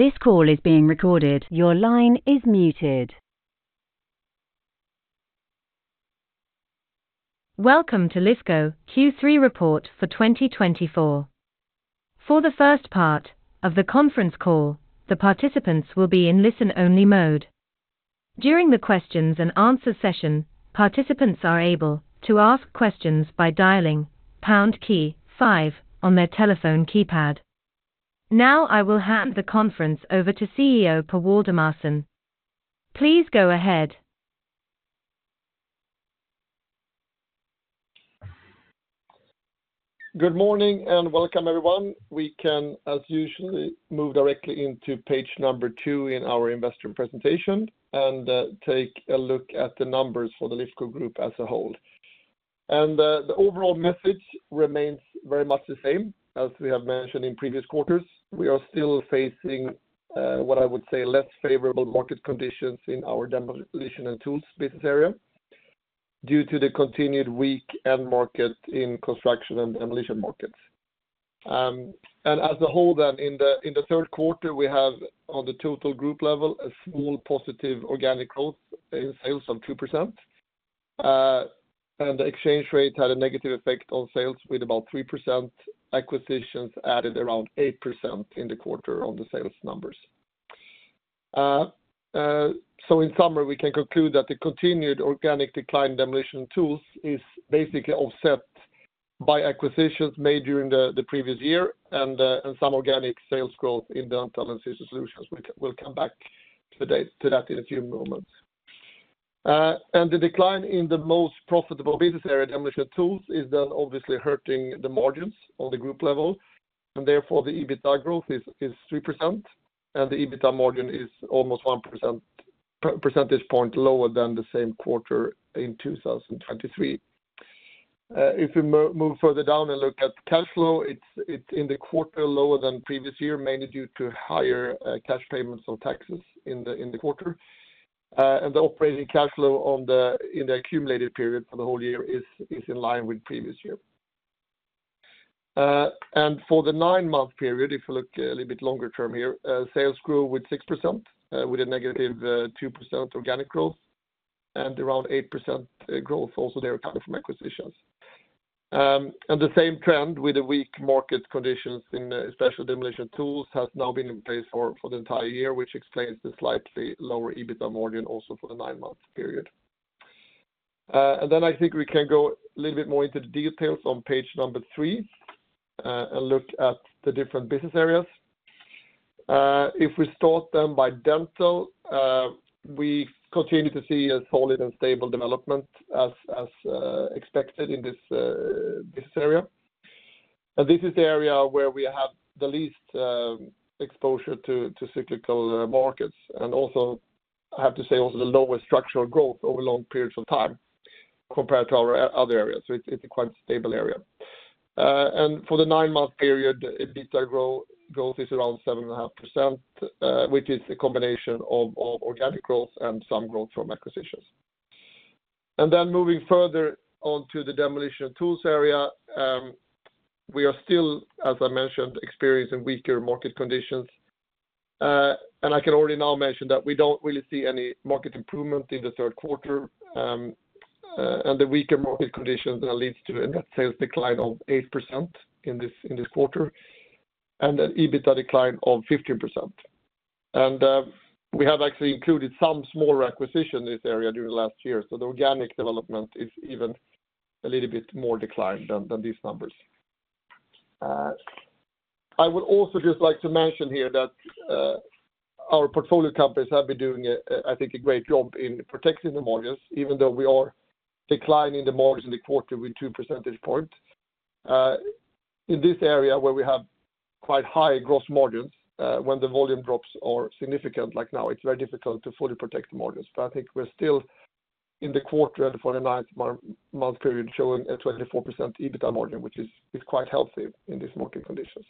This call is being recorded. Your line is muted. Welcome to Lifco Q3 report for 2024. For the first part of the Conference Call, the participants will be in listen-only mode. During the questions and answer session, participants are able to ask questions by dialing pound key five on their telephone keypad. Now I will hand the conference over to CEO, Per Waldemarson. Please go ahead. Good morning, and welcome, everyone. We can, as usual, move directly into page number 2 in our investor presentation, and take a look at the numbers for the Lifco Group as a whole. The overall message remains very much the same as we have mentioned in previous quarters. We are still facing what I would say less favorable market conditions in our demolition and tools business area, due to the continued weak end market in construction and demolition markets. As a whole, then, in the Q3, we have, on the total group level, a small positive organic growth in sales of 2%. The exchange rate had a negative effect on sales, with about 3%. Acquisitions added around 8% in the quarter on the sales numbers. So in summary, we can conclude that the continued organic decline in demolition tools is basically offset by acquisitions made during the previous year and some organic sales growth in dental and system solutions. We will come back to that in a few moments, and the decline in the most profitable business area, demolition tools, is then obviously hurting the margins on the group level, and therefore, the EBITDA growth is 3%, and the EBITDA margin is almost 1 percentage point lower than the same quarter in 2023. If we move further down and look at cash flow, it's in the quarter lower than previous year, mainly due to higher cash payments on taxes in the quarter. And the operating cash flow in the accumulated period for the whole year is in line with previous year. And for the nine-month period, if you look a little bit longer term here, sales grew with 6%, with a negative 2% organic growth and around 8% growth also there coming from acquisitions. And the same trend with the weak market conditions in special demolition tools has now been in place for the entire year, which explains the slightly lower EBITDA margin also for the nine-month period. And then I think we can go a little bit more into the details on page number three, and look at the different business areas. If we start then by dental, we continue to see a solid and stable development as expected in this area, and this is the area where we have the least exposure to cyclical markets, and also, I have to say, also the lowest structural growth over long periods of time compared to our other areas, so it's a quite stable area, and for the nine-month period, EBITDA growth is around 7.5%, which is a combination of organic growth and some growth from acquisitions, and then moving further on to the demolition tools area, we are still, as I mentioned, experiencing weaker market conditions. And I can already now mention that we don't really see any market improvement in the Q3, and the weaker market conditions that leads to a net sales decline of 8% in this quarter, and an EBITDA decline of 15%. And we have actually included some smaller acquisition in this area during the last year, so the organic development is even a little bit more declined than these numbers. I would also just like to mention here that our portfolio companies have been doing, I think, a great job in protecting the margins, even though we are declining the margins in the quarter with two percentage points. In this area, where we have quite high gross margins, when the volume drops are significant, like now, it's very difficult to fully protect the margins. I think we're still in the quarter and for the ninth-month period, showing a 24% EBITDA margin, which is quite healthy in these market conditions.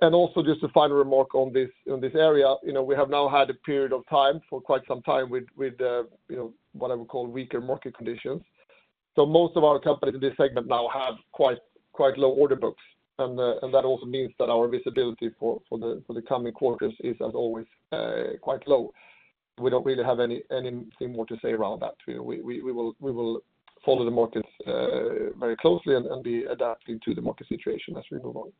Also just a final remark on this area, you know, we have now had a period of time, for quite some time, with what I would call weaker market conditions. So most of our companies in this segment now have quite low order books, and that also means that our visibility for the coming quarters is, as always, quite low. We don't really have anything more to say around that. We will follow the markets very closely and be adapting to the market situation as we move on.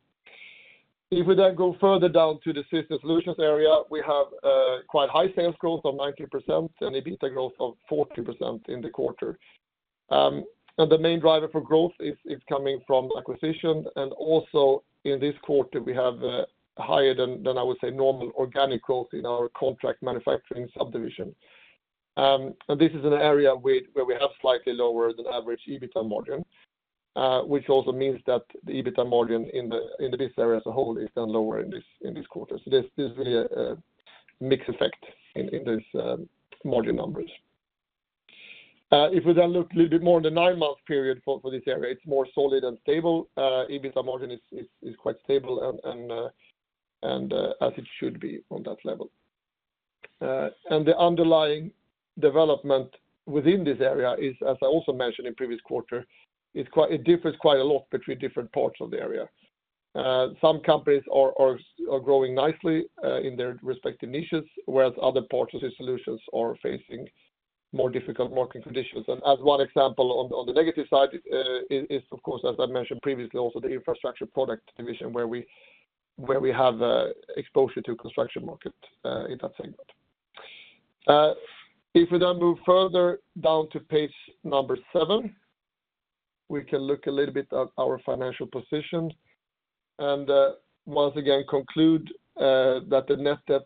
If we then go further down to the system solutions area, we have quite high sales growth of 19% and EBITDA growth of 40% in the quarter. And the main driver for growth is coming from acquisition, and also in this quarter, we have higher than I would say normal organic growth in our contract manufacturing subdivision. And this is an area where we have slightly lower than average EBITDA margin, which also means that the EBITDA margin in this area as a whole is then lower in this quarter. So there's really a mixed effect in those margin numbers. If we then look a little bit more in the nine-month period for this area, it's more solid and stable. EBITDA margin is quite stable and as it should be on that level. The underlying development within this area is, as I also mentioned in previous quarter, quite. It differs quite a lot between different parts of the area. Some companies are growing nicely in their respective niches, whereas other parts of the solutions are facing more difficult working conditions. And as one example on the negative side is, of course, as I mentioned previously, also the infrastructure product division, where we have exposure to construction market in that segment. If we then move further down to page number seven, we can look a little bit at our financial position, and once again conclude that the net debt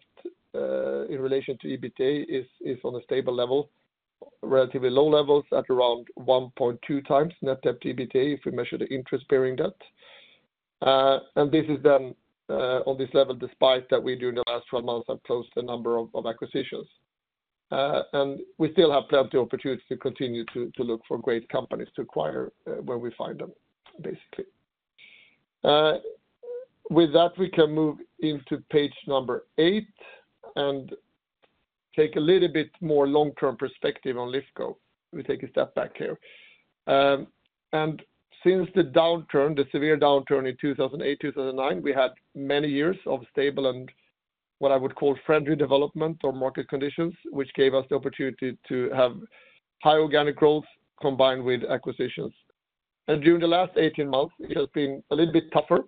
in relation to EBITDA is on a stable level, relatively low levels at around 1.2 times net debt to EBITDA, if we measure the interest-bearing debt. And this is then on this level, despite that we during the last 12 months have closed a number of acquisitions. And we still have plenty of opportunities to continue to look for great companies to acquire where we find them, basically. With that, we can move into page number eight and take a little bit more long-term perspective on Lifco. Let me take a step back here. And since the downturn, the severe downturn in two thousand and eight, two thousand and nine, we had many years of stable and what I would call friendly development or market conditions, which gave us the opportunity to have high organic growth combined with acquisitions. And during the last eighteen months, it has been a little bit tougher,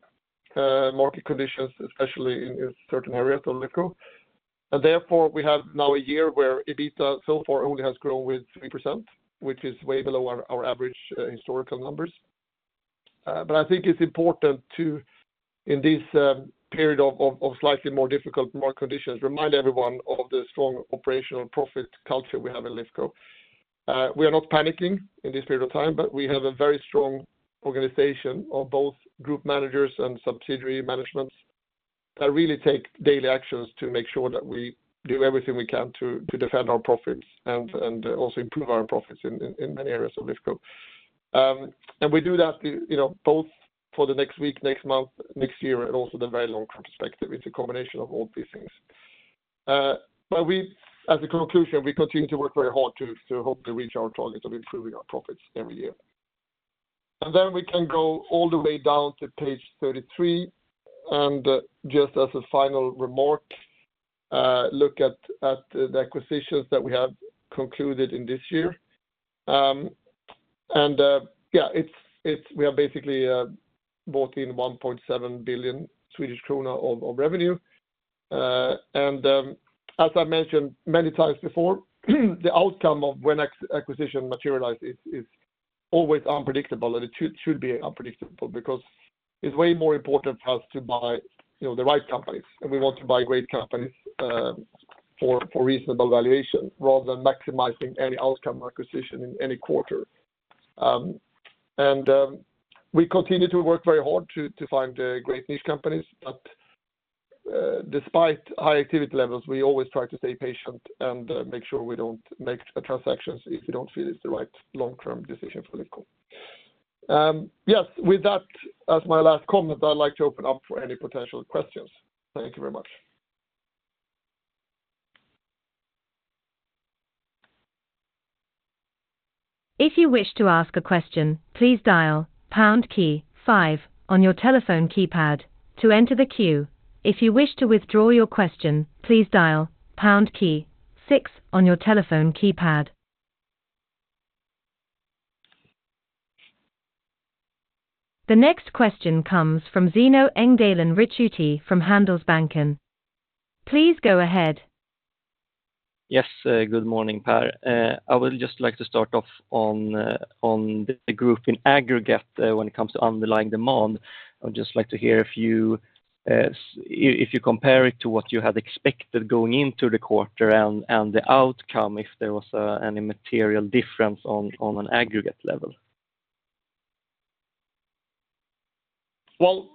market conditions, especially in certain areas of Lifco. And therefore, we have now a year where EBITDA so far only has grown with 3%, which is way below our average, historical numbers. But I think it's important to, in this, period of slightly more difficult market conditions, remind everyone of the strong operational profit culture we have in Lifco. We are not panicking in this period of time, but we have a very strong organization of both group managers and subsidiary managements that really take daily actions to make sure that we do everything we can to defend our profits and also improve our profits in many areas of Lifco. And we do that, you know, both for the next week, next month, next year, and also the very long-term perspective. It's a combination of all these things. But we, as a conclusion, continue to work very hard to hope to reach our targets of improving our profits every year. Then we can go all the way down to page 33, and just as a final remark, look at the acquisitions that we have concluded in this year. Yeah, we have basically brought in 1.7 billion Swedish krona of revenue. As I mentioned many times before, the outcome of when acquisition materialize is always unpredictable, and it should be unpredictable, because it's way more important for us to buy, you know, the right companies, and we want to buy great companies for reasonable valuation rather than maximizing any outcome acquisition in any quarter. We continue to work very hard to find great niche companies, but despite high activity levels, we always try to stay patient and make sure we don't make transactions if we don't feel it's the right long-term decision for Lifco. Yes, with that as my last comment, I'd like to open up for any potential questions. Thank you very much. If you wish to ask a question, please dial pound key five on your telephone keypad to enter the queue. If you wish to withdraw your question, please dial pound key six on your telephone keypad. The next question comes from Zino Engdalen Ricciuti from Handelsbanken. Please go ahead. Yes, good morning, Per. I would just like to start off on the group in aggregate, when it comes to underlying demand. I would just like to hear if you compare it to what you had expected going into the quarter and the outcome, if there was any material difference on an aggregate level? Well,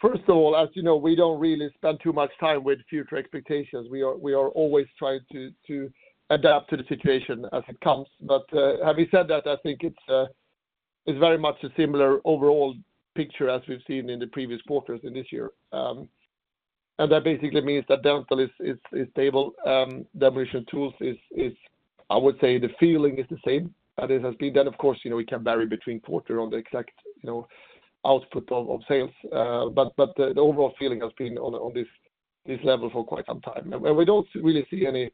first of all, as you know, we don't really spend too much time with future expectations. We are always trying to adapt to the situation as it comes. But, having said that, I think it's very much a similar overall picture as we've seen in the previous quarters in this year. And that basically means that dental is stable. Demolition tools is. I would say the feeling is the same as it has been. Then, of course, you know, it can vary between quarter on the exact, you know, output of sales, but the overall feeling has been on this level for quite some time. And we don't really see any,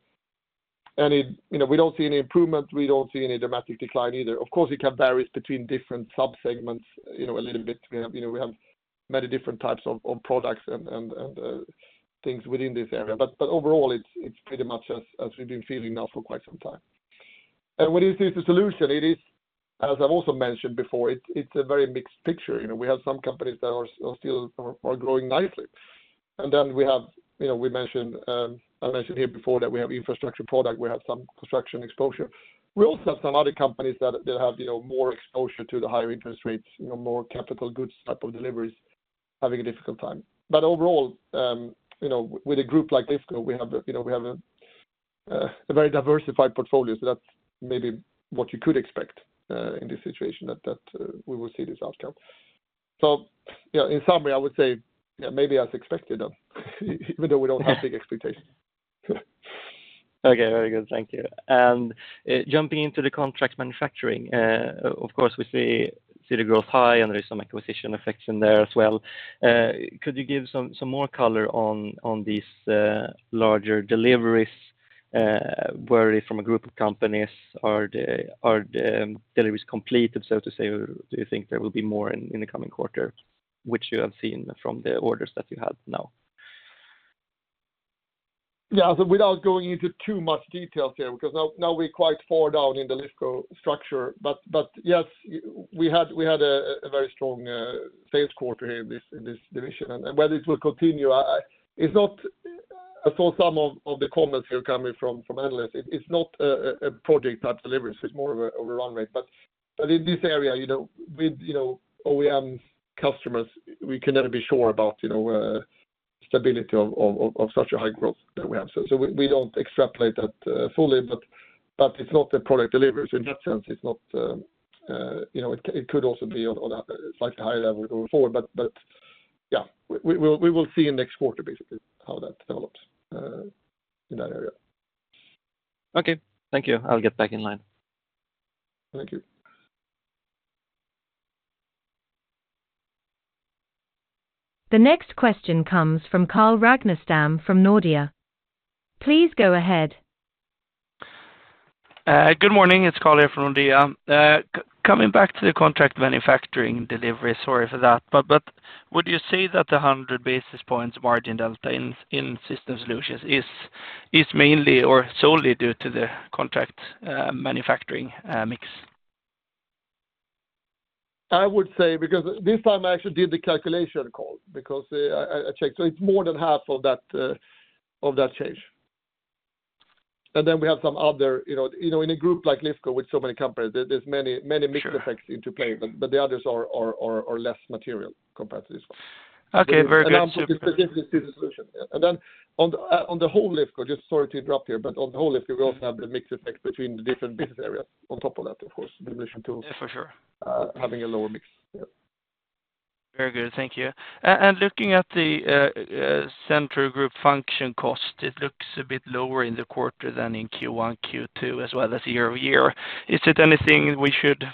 you know, we don't see any improvement, we don't see any dramatic decline either. Of course, it can vary between different subsegments, you know, a little bit. We have, you know, we have many different types of products and things within this area, but overall, it's pretty much as we've been feeling now for quite some time, and when you see the solution, it is, as I've also mentioned before, a very mixed picture. You know, we have some companies that are still growing nicely, and then we have, you know, I mentioned here before that we have infrastructure product, we have some construction exposure. We also have some other companies that have, you know, more exposure to the higher interest rates, you know, more capital goods type of deliveries having a difficult time. But overall, you know, with a group like this, we have, you know, we have a very diversified portfolio, so that's maybe what you could expect in this situation, that we will see this outcome. So, you know, in summary, I would say, yeah, maybe as expected, though, even though we don't have big expectations. Okay, very good. Thank you, and jumping into the contract manufacturing, of course, we see the growth high, and there is some acquisition effect in there as well. Could you give some more color on these larger deliveries, where from a group of companies, are the deliveries completed, so to say, or do you think there will be more in the coming quarter, which you have seen from the orders that you have now? Yeah, so without going into too much details here, because now we're quite far down in the Lifco structure. But yes, we had a very strong sales quarter here in this division. And whether it will continue, I saw some of the comments here coming from analysts. It's not a project type delivery, so it's more of a run rate. But in this area, you know, with you know, OEM customers, we can never be sure about you know, stability of such a high growth that we have. So we don't extrapolate that fully, but it's not a product delivery. So in that sense, it's not, you know, it could also be on a slightly higher level going forward. But yeah, we will see in next quarter, basically, how that develops in that area. Okay, thank you. I'll get back in line. Thank you. The next question comes from Carl Ragnerstam from Nordea. Please go ahead. Good morning, it's Carl here from Nordea. Coming back to the contract manufacturing delivery, sorry for that, but would you say that the 100 basis points margin that was playing in system solutions is mainly or solely due to the contract manufacturing mix? I would say, because this time I actually did the calculation call, because I checked, so it's more than half of that of that change. And then we have some other, you know, in a group like Lifco, with so many companies, there's many mix effects into play, but the others are less material compared to this one. Okay, very good. And then specifically to the solution. Yeah, and then on the whole Lifco, just sorry to interrupt here, but on the whole Lifco, we also have the mix effect between the different business areas on top of that, of course, the solution tools. Yeah, for sure. Having a lower mix. Yeah. Very good, thank you. And looking at the central group function cost, it looks a bit lower in the quarter than in Q1, Q2, as well as year-over-year. Is it anything we should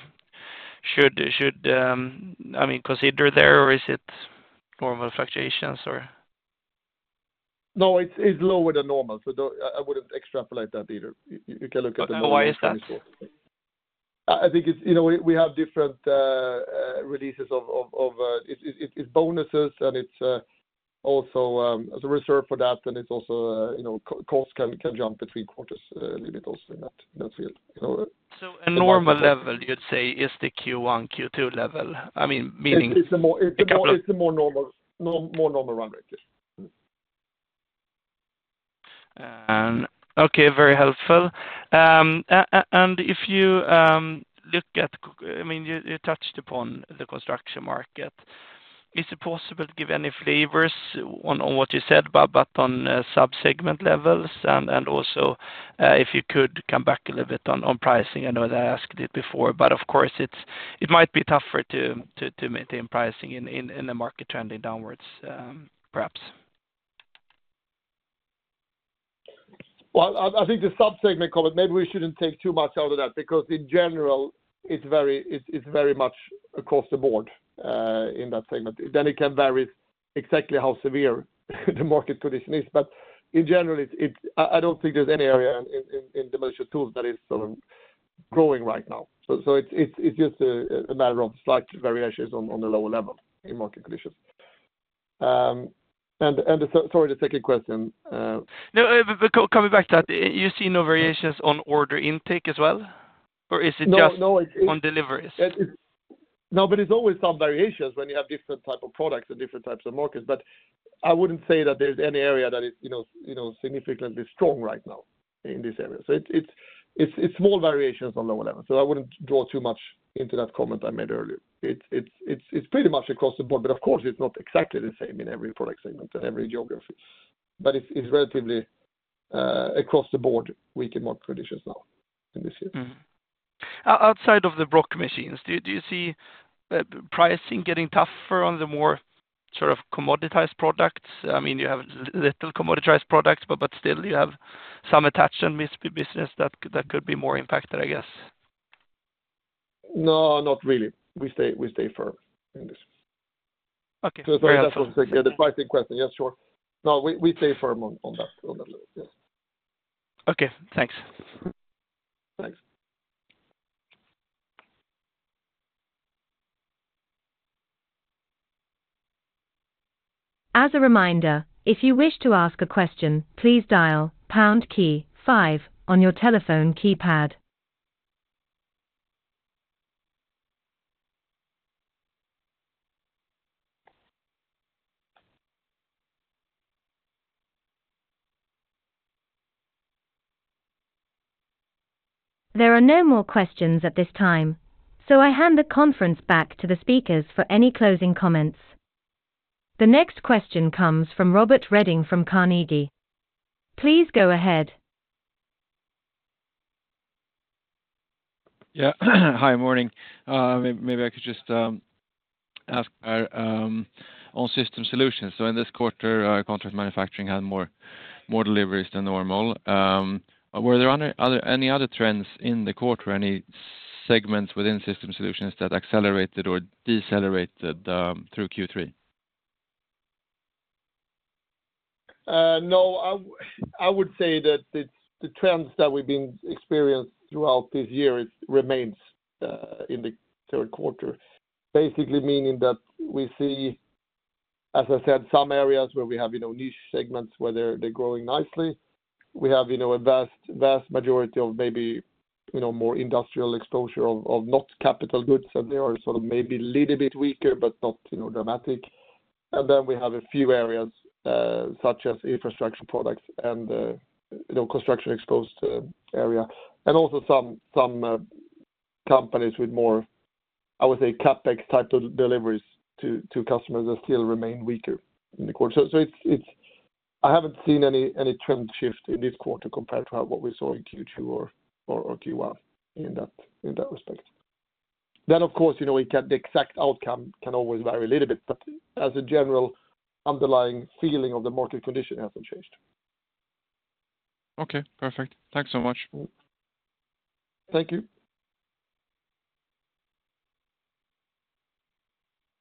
I mean consider there, or is it more of a fluctuations, or? No, it's lower than normal, so don't. I wouldn't extrapolate that either. You can look at the- But why is that? I think it's, you know, we have different releases of its bonuses, and it's also as a reserve for that, then it's also, you know, costs can jump between quarters, a little bit also in that field, you know? So a normal level, you'd say, is the Q1, Q2 level? I mean, meaning- It's a more normal run rate, yes. Okay, very helpful. If you look, I mean, you touched upon the construction market. Is it possible to give any flavors on what you said, but on sub-segment levels? Also, if you could come back a little bit on pricing. I know that I asked it before, but of course, it might be tougher to maintain pricing in a market trending downwards, perhaps. I think the sub-segment comment, maybe we shouldn't take too much out of that, because in general, it's very much across the board in that segment. Then it can vary exactly how severe the market condition is. But in general, it. I don't think there's any area in demolition tools that is sort of growing right now. So it's just a matter of slight variations on the lower level in market conditions. And sorry, the second question. No, but coming back to that, you see no variations on order intake as well, or is it just- No, no, it- -on deliveries? No, but it's always some variations when you have different type of products and different types of markets. But I wouldn't say that there's any area that is, you know, significantly strong right now in this area. So it's small variations on the lower level, so I wouldn't draw too much into that comment I made earlier. It's pretty much across the board, but of course, it's not exactly the same in every product segment and every geography. But it's relatively across the board, weak in market conditions now in this year. Mm-hmm. Outside of the Brokk machines, do you see pricing getting tougher on the more sort of commoditized products? I mean, you have little commoditized products, but still you have some attachment business that could be more impacted, I guess. No, not really. We stay firm in this. Okay. That was the pricing question. Yes, sure. No, we stay firm on that level, yes. Okay, thanks. Thanks. As a reminder, if you wish to ask a question, please dial pound key five on your telephone keypad. There are no more questions at this time, so I hand the conference back to the speakers for any closing comments. The next question comes from Robert Redin from Carnegie. Please go ahead.... Yeah. Hi, morning. Maybe I could just ask on system solutions. So in this quarter, contract manufacturing had more deliveries than normal. Were there any other trends in the quarter, any segments within system solutions that accelerated or decelerated through Q3? No, I would say that it's the trends that we've been experienced throughout this year. It remains in the Q3. Basically, meaning that we see, as I said, some areas where we have, you know, niche segments, where they're growing nicely. We have, you know, a vast majority of maybe, you know, more industrial exposure of not capital goods, and they are sort of maybe a little bit weaker, but not, you know, dramatic. And then we have a few areas, such as infrastructure products and, you know, construction exposed area, and also some companies with more, I would say, CapEx type of deliveries to customers that still remain weaker in the quarter. It's. I haven't seen any trend shift in this quarter compared to what we saw in Q2 or Q1, in that respect. Of course, you know, we get the exact outcome can always vary a little bit, but as a general underlying feeling of the market condition hasn't changed. Okay, perfect. Thanks so much. Thank you.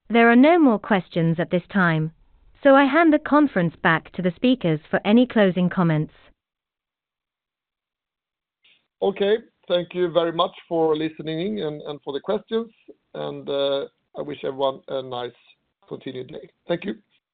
There are no more questions at this time, so I hand the conference back to the speakers for any closing comments. Okay. Thank you very much for listening and for the questions, and I wish everyone a nice continued day. Thank you.